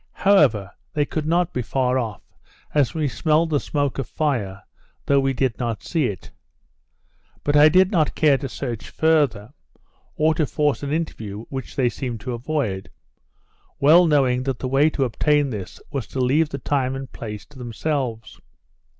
However, they could not be far off, as we smelled the smoke of fire, though we did not see it. But I did not care to search farther, or to force an interview which they seemed to avoid; well knowing that the way to obtain this, was to leave the time and place to themselves.